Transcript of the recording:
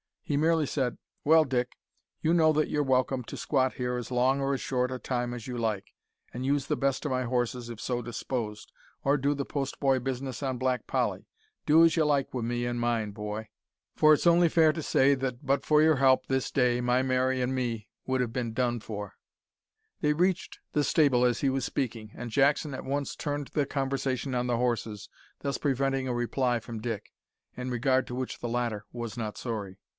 He merely said, "Well, Dick, you know that you're welcome to squat here as long or as short a time as you like, an' use the best o' my horses, if so disposed, or do the postboy business on Black Polly. Do as ye like wi' me an' mine, boy, for it's only fair to say that but for your help this day my Mary an' me would have bin done for." They reached the stable as he was speaking, and Jackson at once turned the conversation on the horses, thus preventing a reply from Dick in regard to which the latter was not sorry.